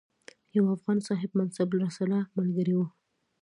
یو افغان صاحب منصب راسره ملګری وو.